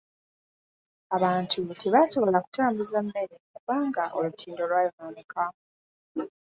Abantu tebaasobola kutambuza mmere kubanga olutindo lwayonooneka.